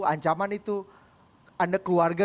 ancaman itu anda keluarga